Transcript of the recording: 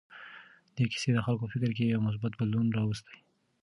دې کیسې د خلکو په فکر کې یو مثبت بدلون راوستی.